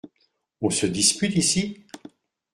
On se dispute ici ?